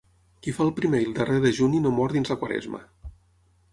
Qui fa el primer i el darrer dejuni no mor dins la Quaresma.